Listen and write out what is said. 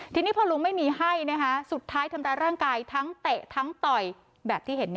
ทีนี้พอลุงไม่มีให้สุดท้ายทำร้ายร่างกายทั้งเตะทั้งต่อยแบบที่เห็น